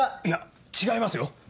いや違いますよ。